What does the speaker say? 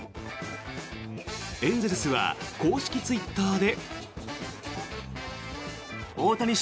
エンゼルスは公式ツイッターで。